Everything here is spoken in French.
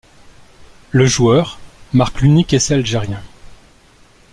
Le joueur marque l'unique essai algérien.